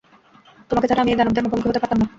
তোমাকে ছাড়া আমি এই দানবদের মুখোমুখি হতে পারতাম না।